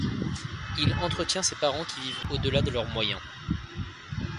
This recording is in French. Il entretient ses parents qui vivent au-delà de leurs moyens.